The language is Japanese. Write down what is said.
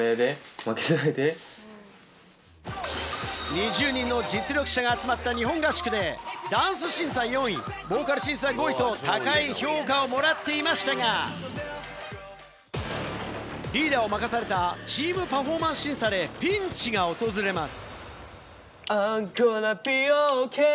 ２０人の実力者が集まった日本合宿で、ダンス審査４位、ボーカル審査５位と高い評価をもらっていましたが、リーダーを任されたチーム・パフォーマンス審査で、ピンチが訪れます。